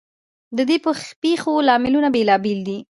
ددې پیښو لاملونه بیلابیل دي.